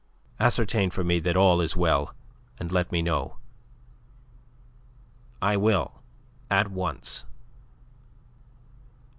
Ascertain for me that all is well, and let me know." "I will, at once."